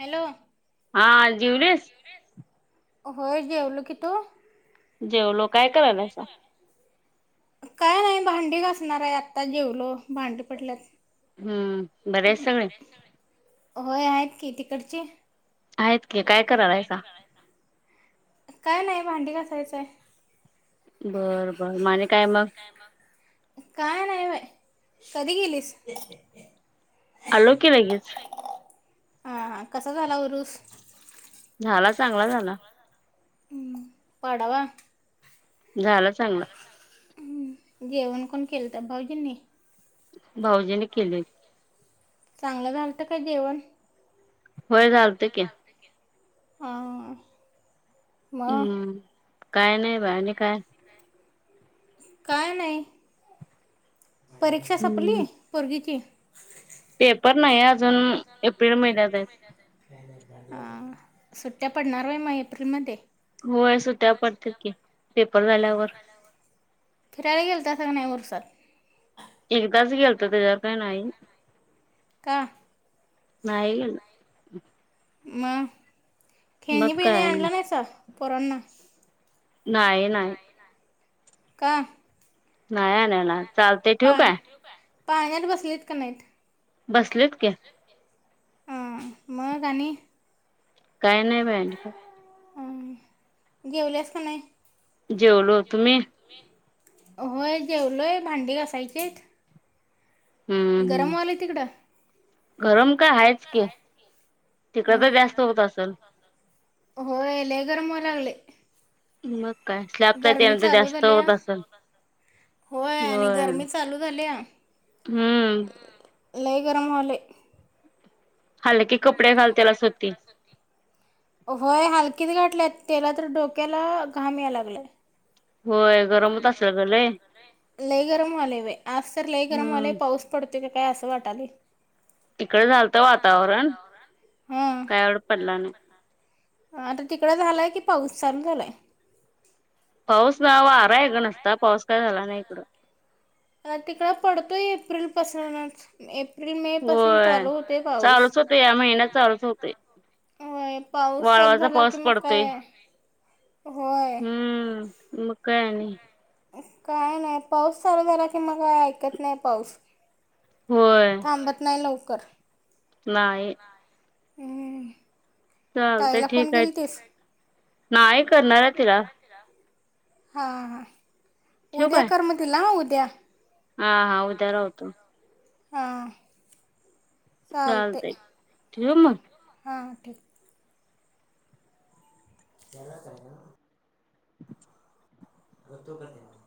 Hello हा जीवलिस. होय जेवलो की‌. तू जेवलो, काय करायलासा. काय नाही भांडी घासणार आहे. आत्ता जेवलो. भांडी पडल्यात. हम्म, बरे आहेत सगळे. होय आहेत की तिकडचे. आहेत की. काय करालायसा. काय नाही भांडी घसायचय. बर बर म आणि काय मग. काय नाही बाई कधी गेलीस. अलो की लागेच‌ हा हा कसा झाला उरुस. झाला चांगला झाला. हम्म, पाडवा झाला चांगला. हम्म, जेवण कोण केलत भाऊजींनी. भाऊजीने केले. चांगल झालत काय जेवण. होय झालात की. हा हम्म, काय नाही बाई आणि काय? काय नाही. परीक्षा सपली, हम्म पोरगीची? पेपर नाही अजून, एप्रिल महिन्यात आहेत. आं, सुट्ट्या पडणार व्हय एप्रिल मध्ये? होय, सुट्ट्या पडत्यात की, पेपर झाल्यावर फिरायला गेलतासा का नाही उरसात? एकदाच गेलतो, त्याच्यावर काय नाही. का? नाही गलो. म खेळणी, मग काय बिळणी नाही आणला नाहीसा पोरांना? नाही, नाही. का? नाही आणायला, चालतंय ठेवू काय? पाळण्यात बसलीस का नाहीत? बसलेत की. हम्म्, मग आणि काय नाही बाई. अं जेवल्यास का नाही? जेवलो. होय, जेवलोय. भांडी घासायची हाईत हम्म गरम हम्म व्हायलयं तिकडं? गरम का हायच की, तिकडं तर अं, जास्त होत असल. होय, लई गरम व्हाय लागलयं मग काय, स्लॅबचा हाय त्यानं तर चालू जास्त झाल्या होत असंल. होय आणि गर्मी चालू झालीया. हम्म हा लई गरम व्हायलंय. हलके कपडे घाल, त्याला सुती. होय, हलकीच घातल्यात. त्येला तर डोक्याला घाम यायं लागलाय. होय गरम होत असेल ग लय लई गरम व्हायलयं बाई, आज तर लई गरम व्हायलयं हम्म पाऊस पडतोय का काय असं वाटालंय इकड झालतं वातावरण, काय एवढा पडला नाही. हा, आता तिकडं झालाय की पाऊस, चालू झालाय. पाऊस जा वारा आहे गं नुसता, पाऊस काय झाला नाही इकडं. अं, तिकडं पडतोय, एप्रिल पसूनच एप्रिल मे पासून होय चालू होतंय पाऊस, होते चालूच होतंय, महिन्यात या चालूच होते महिन्यापासून. होय. पाऊस चालू वाळवाचा झाला कि, पाऊस मक पडतोय काय होय हम्म, मग काय आणि? काय नाही पाऊस चालू झाला कि, मग काय ऐकत नाही पाऊस होय. थांबत लवकर. नाही. हम्म, चालतंय ताईला फोन ठीक आहे. केलतीस? नाही करणार हाय तिला. हां, हां ठेवू उद्या काय? कर म तिला उद्या. हा, हा, उद्या लावतो. हां चालतंय, ठेवू ठेव मग? हां, ठेव. त्याला सांग ना. करतो का तुला?